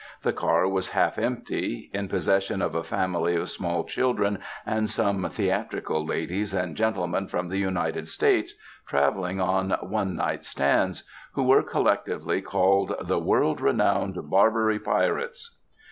The car was half empty, in possession of a family of small children and some theatrical ladies and gentlemen from the United States, travelling on 'one night stands,' who were collectively called 'The World Renowned Barbary Pirates.'